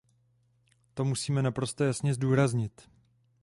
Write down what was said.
To musíme naprosto jasně zdůraznit.